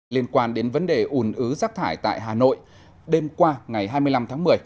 liên quan đến vấn đề ủn ứ rác thải tại hà nội đêm qua ngày hai mươi năm tháng một mươi